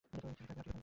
Ticket লাগবে না?